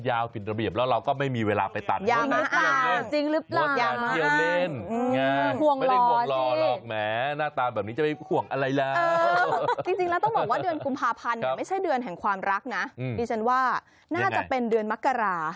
จริงแล้วต้องบอกว่าเดือนกุมภาพันธ์เนี่ยไม่ใช่เดือนแห่งความรักนะดิฉันว่าน่าจะเป็นเดือนมกรา